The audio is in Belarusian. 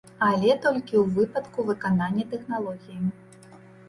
Але толькі ў выпадку выканання тэхналогіі.